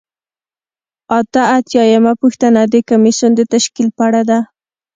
اته اتیا یمه پوښتنه د کمیسیون د تشکیل په اړه ده.